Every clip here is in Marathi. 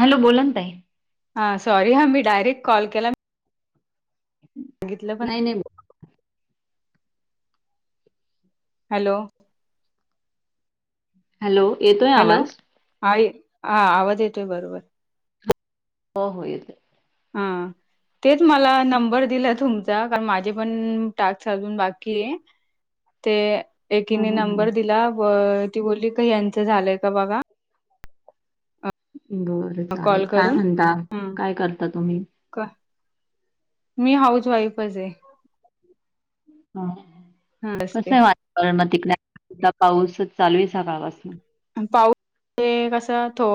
हॅलो बोलाना ताई. हां सॉरी हा मी डायरेक्ट कॉल केला. सांगितल. [unintelligible] हॅलो हॅलो येतोय आवाज? हां येत हा आवाज येतोय बरोबर. हो हो येतोय. हां तेच मला नंबर दिला तुमचा कारण माझे पण टास्क आजून बाकी आहेत. ते हां, एकीने हां, हां. नंबर दिला ती बोलली का यांच झालय का बघा. बर चालेल कॉल काय करून म्हणता ह काय करता तुम्ही? मी हाऊस वाईफच आहे. ह हा असते कस वाट बघा ना तिकडे पाऊस चालू आहे सकाळपासून. आणि पाऊस ते कस थो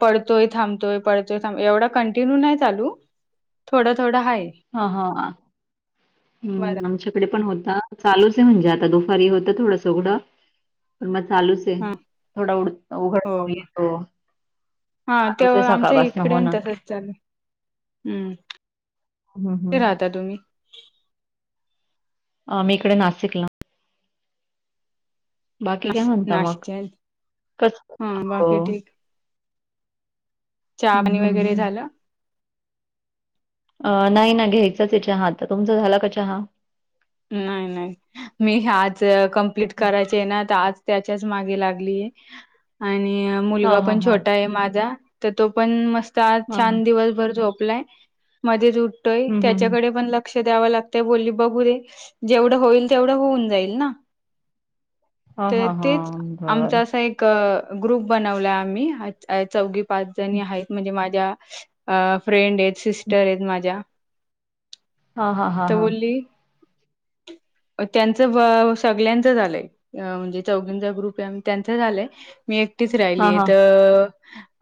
पडतोय थांबतोय पडतोय थांब एवढा कंटिन्यू नाही चालू. थोडा थोडा हाय. हां हां बरं हम्म आमच्याकडे पण होता चालूच आहे म्हणजे आता दुपारी होता थोडस उघडा. पण मग चालूच आहे हा थोडा उ उघडतो येतो. हां चालूच आहे तेव्हा आमच्या सकाळपासून. इकडे हो पण ना. तसच आहे. हम्म हं, कुठे हं. राहता तुम्ही? आम्ही इकडे नाशिकला. बाकी नाश काय म्हणता मग? नाशिकच्या आहेत. [inaudible] कस हा हो. बाकी चा हं, आणी हं, वगैरे हं. झालं? अ नाही ना घ्यायचच ये चहा, तर तुमचा झाला का चहा? नाही नाही. मी आज कंप्लीट करायचे आहे ना तर आज त्याच्याच मागे लागलीये. आणि हां, मुलगा हां, पण हां. छोटा आहे माझा तर तो पण मस्त चा हां, हां. छान दिवसभर झोपलाय मध्येच उठतोय हं, हं, हं. त्याच्याकडे पण ल लक्ष द्याव लागतय बोलली बघू रे जेवढं होईल तेवढं होऊन जाईल ना. [inaudible] हां, तर हां, तेच हां. आमचा बरं. असा एक क ग्रुप बनवला आम्ही चौघी, पाच जणी आहेत म्हणजे माझ्या अ फ्रेंड आहेत, सिस्टर आहेत माझ्या. हा हा हा हा. अ त्यांचं सगळ्यांचं झालंय म्हणजे चौघिचा ग्रुप आहे त्यांचं झालंय मी एकटीच हां, राहिलीय हां. तर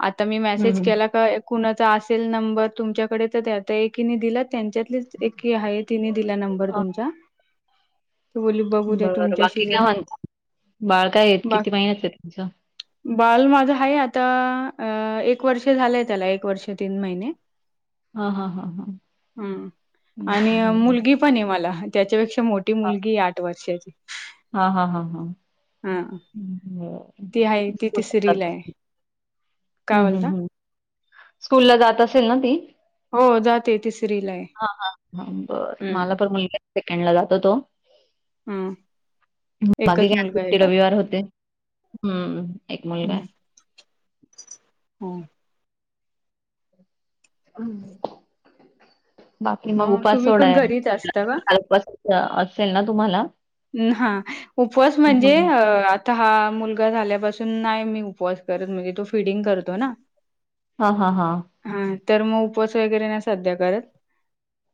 आता मी हं, मेसेज हं. केला का कुणाचा असेल नंबर तुमच्याकडेच त्यात एकीने दिला त्यांच्यातलीच एक आहे तिने दिला नंबर तुमचा. ती बोलली बघू द्या बर तुमच्याशी बाकी काय म्हणता? बाळ काय आहेत किती महिन्यात आहे तुमचं? बाल माझ आहे आता एक वर्ष झालंय त्याला एक वर्ष तीन महिने. हां, हां, हां, हां. [inaudible] हं, आणि अ बरं. मुलगी पण ये मला हं त्याच्यापेक्षा मोठी मुलगीये आठ वर्षाची. हा हा हा हा. हा. हम् ह. ती हाये ती तिसरीलाय. हम् हम् हम्, स्कूलला जात असेल ना ती? हो जाते तिसरीला आहे. [inaudible] हा हा, हम् ह बर हं, मला तर मुलग्या सेकंड ला जातो तो. हम्‌. बाकी काय आज सुट्टी रविवार होते. हम्म एक मुलगा. हम्म्. बाकी मग उपास तुम्ही पण सोडाय घरीच असता का? [unintelligible] असेल ना तुम्हाला? अं हा उपवास म्हणजे हं. अ- आता हा मुलगा झाल्यापासून नाई मी उपवास करत म्हणजे तो फिडिंग करतो ना. हा हा हा. हा तर म उपवास वगैरे नाही सध्या करत.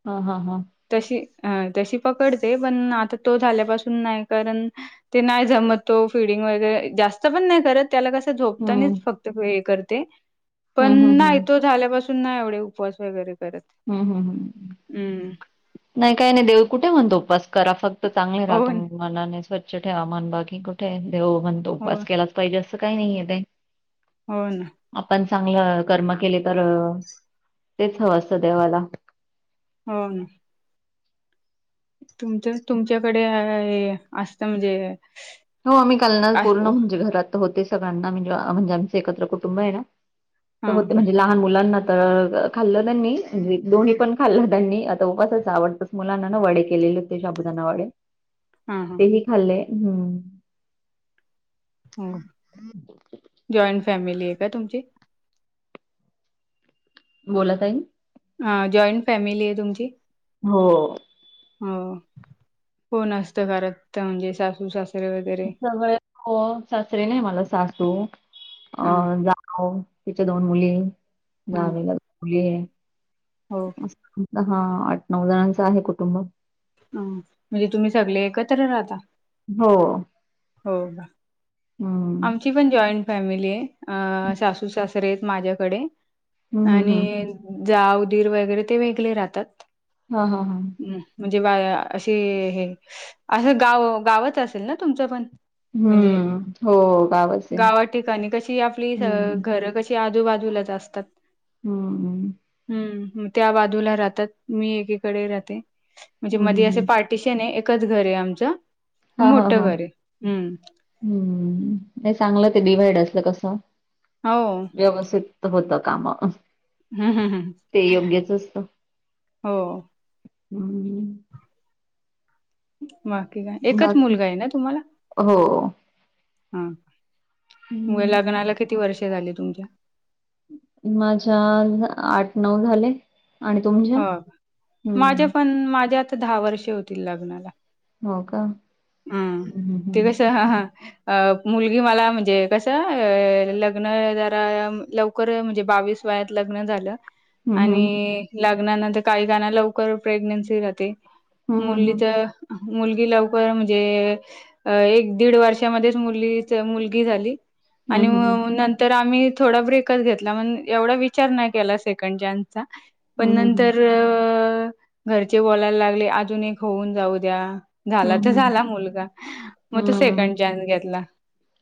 हा ह हा. तशी हा तशी पकडते पण आता तो झाल्यापासून नाई कारण ते नाही जमत तो फिडिंग वगैरे जास्त पण नाय करत त्याला कसं हं. झोपतानीच फक्त हे करते पण हं, हं, नाय हं. तो झाल्यापासून नाय एवढे उपवास वगैरे करत. हम् हम्म हम् हम्म नाई काय नाय देव कुठे म्हणतो उपवास करा फक्त चांगले हो रहा ना. तुमी मनाने स्वच्छ ठेवा मन बाकी कुठे देव म्हणतो हो उपवास केलाच् पायजे असं काई नाईये बें. होय ना. आपण चांगलं कर्म केले तर तेच हवं असतं देवाला. हो ना. तुमच तुमच्याकडे असत म्हणजे. हो आम्ही कालनार पूर्ण असं म्हणजे घरात होते सगळ्यांना म्हणजे आमच एकत्र कुटुंब आहे ना. हां होते का म्हणजे लांब. लहान मुलांना त खाल्ल त्यांनी म्हणजे दोन्ही पण खाल्ल त्यांनी आता उपवासाच आवडत. मुलांना ना वडे केलेले होते शाबुदाना वडे हां हां ते ही खाल्ले हम्म हो जॉइंट फॅमिलीये का तुमची? बोला ताई. हां जॉईंट फॅमिली आहे तुमची? हो हो कोण असत घरातत म्हणजे सासू सास सगळ हो सासरे नाई मला सासू अ हां जा हो तिच्या दोन मुली हां जावेला दोन मुली आहेत. हो. हा आठ नऊ जणांच आहे कुटुंब. म्हणजे तुम्ही सगले एकत्र राहता? हो हो हम्म आमची पण जॉईंट फॅमिलीये सासू सासरे आहेत माझ्याकडे. हम्म हम्म आणि हम्म जाउ दीर वगैरे ते वेगले राहतात. हां हां हां म्हणजे बा अशे हे अस गाव गावच असेल ना तुमच पण? म्हणजे हम्म हो गावच. आहे. गावा ठिकाणी कशी आपली हम्म घर कशी आजूबाजूलाच असतात. हम्म हम्म हम्म त्या बाजूला राहतात मी एकीकडे राहते म्हणजे हम्म मध्ये असे हम्म पा र्टिशन आहे एकच घर आहे आमच हा हा मोठ हा. घर आहे. हम्म नाही चांगलच ते डिव्हाइड असल का अस. हो व्यवस्थित होत काम. हम्म हम्म ते योग्यच असत. हो बाकी काय एकच बाकी मुलगा आहे ना तुम्हाला? हो हां म हम्म. लग्नाला किती वर्षे झाली तुमच्या? माझ्या आठ नऊ झाले. आणि तुमच्या? हो माझे हं. पण माझ्या आता दहा वर्ष होतील लग्नाला. हो का? हम्म हं, हं, हं. ते कस मुलगी मला म्हणजे कस लग्न जरा लव कर म्हणजे बावीस वयात लग्न झाल. हं, हं, हं. आणि लग्नानंतर काही जणांना लवकर प्रेग्नेन्सी राहते. मुलीच हं, तर मुलगी लवकर म्हणजे अ एक दीड वर्षामध्येच मुलीच मुलगी झाली आणि हं, हं. नंतर तर आम्ही थोडा ब्रेकच घेतला म्हण एवढा विचार नाही केला सेकंड चान्सचा. पण हं, हं, हं. नंतर घरचे बोलायला लागले अजून एक होऊन जाऊ द्या. हं, हं, हं. झाला हं, तर हं. झाला मुलगा मग तो सेकंड चान्स घेतला.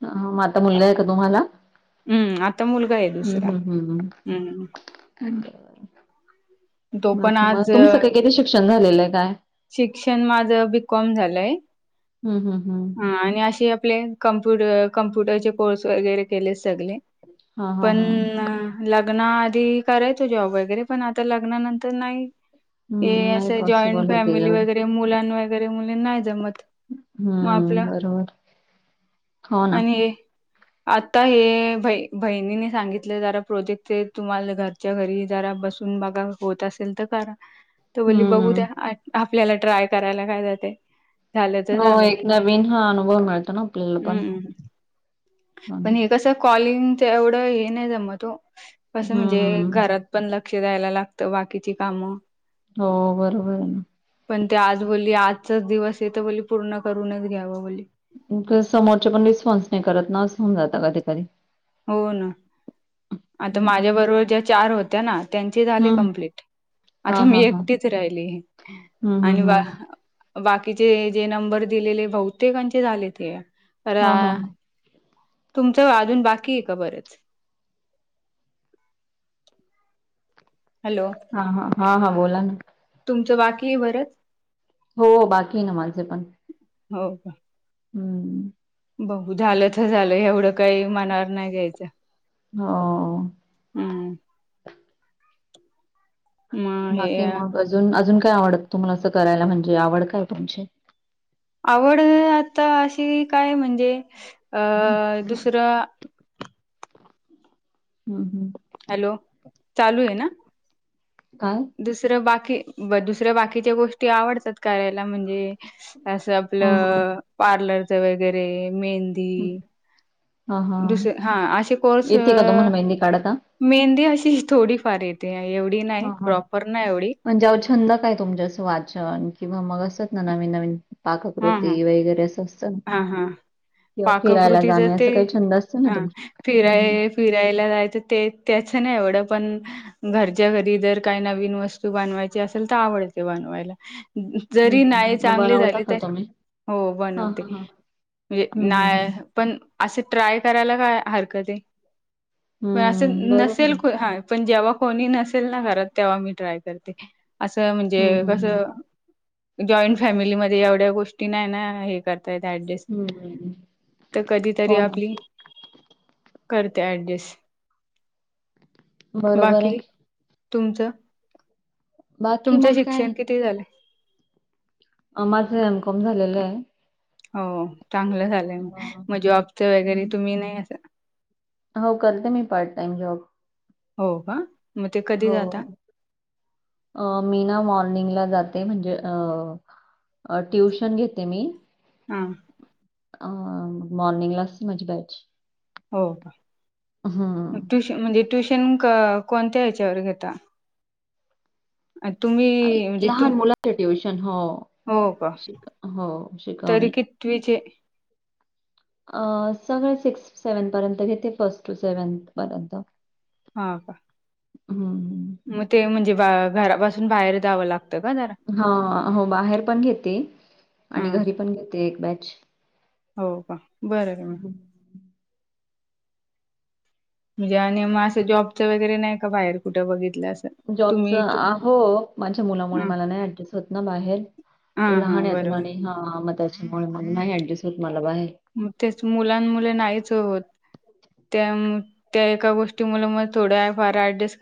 हं म आताा मुलगा आहे का तुम्हाला? हम्म.. आता मुलगा आहे हं, दुसरा. हं, हं. हम्म तो पण बाकी म आज तुमचं काही, किती शिक्षन झालेलंय, काय? शिक्षन माझ बीकॉम झालंय. हं, हं, हं, आणि अशे आपले कम्पूटर..., कम्पूटरचे कोर्स वगैरे केलेत सगले. हां, हां, पन् हां. न लग्ना आधी करायचो जॉब वगैरे, पण आता लग्नानंतर नाई हे हम्म नाही असे जॉईंट पॉसिबल आहे फॅमिली त्याच्यावर वगैरे, मुलां वगैरे, मुलीं नाही जमत. मग हम्म, आपलं बरोबर. हो ना. आणि हे आता हे भय् भईणीने सांगितलं, जरा प्रोजेक्ट ते तुम्हालं घरच्या घरी जरा बसून हं बघा, होत असेन त करा. त बोलली बघू हम्म द्या. [unintelligible] आपल्याला ट्राय करायला काय जाते. झालं तर हो झालं. एक नवीन हा अनुभव मिळतो न आपल्याला पण. हम्म हो ना. पण हे कसं कॉलिंगच, एवढं हे नाही जमत ओ. कसं म्हणजे हम्म घरात पन ल क्ष द्यायला लागत, बाकीची काम हो, बरोबर आहे न. पण ते आज बोलली आजचाच दिवसये, त बोलली पूर्ण करूनच घ्यावं बोलली. समोरचे पण रिस्पॉन्स नाही करत न असं होऊन जात काधी कधी. हो न. आता हम्म माझ्या बरोबर ज्या चार होत्या ना, त्यांचे झाले हम्म कम्प्लीट. हा आता मी हा हा एकटीच राहिली आहे हम्म आणि हम्म बा हम्म बाकीचे जे नंबर दिलेले, बहुतेकांचे झाले ते. तर हा हा तुमचं अजुन बाकीये का बरचं? हॅलो हा हा हा हा, बोला न. तुमचं बाकीये बरंच? हो, बाकीये न माझे पण. हो. हम्म बघू, झालं तर झालं, एवढं काही मनावर नाही घ्यायचं. हं हम्म. मग हे बाकी मग अजून, अजून काय आवडत तुम्हाला असं करायला, म्हणजे आवड कायाय तुमची? आवड आता अशी काय म्हणजे अं दुसरं हम् हम् हॅलो, चालूये ना? काय? दुसरं बाकी ब, दुसऱ्या बाकीच्या गोष्टी आवडतात करायला म्हणजे असं हा आपलं पार्लरच वगैरे, मेहंदी. हा हां, हां. दुस-या हा आशे कोरस् येते का तुम्हाला मेहंदी काढता? - मेहंदी अशी ही.. थोडी फार येते, एवढी नाही, हां, हां. प्रॉपर नाही एवढी. म्हणजे अवो, छंद काय तुमच? असं वाचन, किंवा मग असचंन नवीन नवीन. पाककृती वैगेरे असं असतं ना. हां हां. किंवा फिरायला जाणे, असं काही छंद असतील हा नं तुमचे? हंहं फिराय फिरायला जायचं ते, त्याचे नाही एवढं पन घरच्या घरी जर काही नवीन वस्तू बानवायची असेल, तर आवडते बनवायला. हं, जरी हं. नाही हं. मग चांगली बनवता झाली- - का तरी तुम्ही? हो हां, बनवते. हां, हां. म्हणजे हं, हं, नाय हं. पण असे ट्राय करायला काय हरकते. पण असे हं, बरोबर नसेल, आहे. हा. पण जेव्हा कोणी नसेल ना घरात. तेव्हा मी ट्राय करते. असं हं, म्हणजे हं, कसं? हं. जॉईंट फॅमिलीमध्ये एवढ्या गोष्ट टी नाय ना हे करता येत. ऍडजस्ट. हं. तर कधी तरी हो ना. आपली करते ऍडजस्ट. बरोबर आहे. बाकी? तुमचं? बाकी तुमचं मग काय? शिक्षण किती झाले? माझं एमकॉम झालेलंय. हो चांगलं झालंय. म जॉब चा वगैरे हं. तुम्ही नाही हो करते मी पार्ट टाइम जॉब. हो का? मग ते कधी हो जाता? मी ना मॉर्निंगला जाते. म्हणजे अ अ ट्युशन घेते मी. हा. अ मॉर्निंगला च माझी बॅच. हो का? हं. ट्युश म्हणजे ट्युशन क कोणत्या ह्याच्यावर घेता? आ तुम्ही- - लहान मुलांचे ट्युशन. हो हो का? श हो तरी शिकवणी. कितवीचे? अ सगळे सिक्स सेव्हन पर्यंत घेते. फर्स्ट टू सेव्हनथ पर्यंत. हा का? हम्म हम्म. ते म्हणजे घरापासून बाहेर जाव लागत. हा हो बाहेर पण घेते. आणि हां. घरी पण घेते. एक बॅच. हो का? बरय की म. म्हणजे आणि मग असं जॉबचं वगैरे नाही का बाहेर कुठं बघितलं असं? जॉबच तुम्ही तुम हो. माझ्या मुला मुळे हां. मला नाही ऍडजस्ट होत ना बाहेर. तो हां, लहान हां. अजून. बरोबर. आणि हा म त्याच्यामुळे नाही ऍडजस्ट होत मला बाहेर. म तेच. मुलां मुले नाहीच होत. त्या त्या एका गोष्टी मुळ मग थोड्या फार ऍडजस्ट